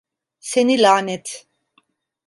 Seni lanet…